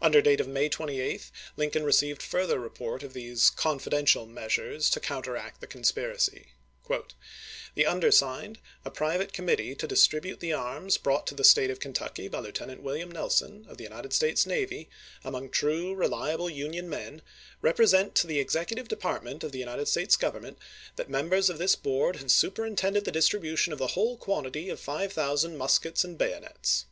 Under date of May 28 Lincoln ^^ms.^^*^^" received further report of these confidential meas ures to counteract the conspiracy : The undersigned, a private committee to distribute the arms brought to the State of Kentucky by Lieutenant William Nelson, of the United States navy, among true, reliable Union men, represent to the Executive Depart ment of the United States Government that members of this Board have superintended the distribution of the whole quantity of five thousand muskets and bayonets.